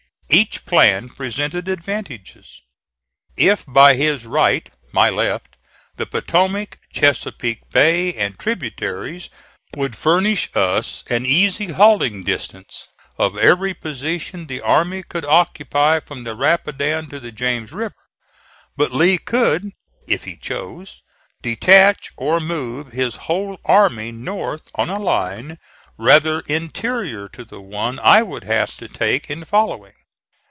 Each plan presented advantages. (*25) If by his right my left the Potomac, Chesapeake Bay and tributaries would furnish us an easy hauling distance of every position the army could occupy from the Rapidan to the James River. But Lee could, if he chose, detach or move his whole army north on a line rather interior to the one I would have to take in following.